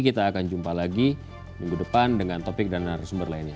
kita akan jumpa lagi minggu depan dengan topik dan narasumber lainnya